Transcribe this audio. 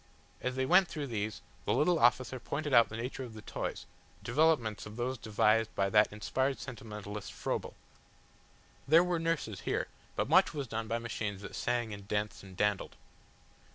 As they went through these, the little officer pointed out the nature of the toys, developments of those devised by that inspired sentimentalist Froebel. There were nurses here, but much was done by machines that sang and danced and dandled.